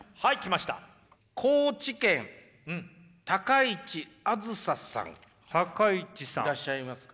いらっしゃいますか？